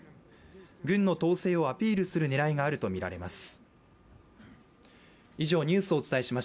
軍の統制をアピールする狙いがあるとみられます。